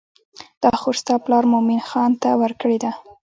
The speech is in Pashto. دا خور ستا پلار مومن خان ته ورکړې ده.